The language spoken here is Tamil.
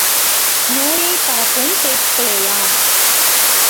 நோயைப் பரப்பும் பேச்சுக்களேயாம்.